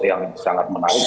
yang sangat menarik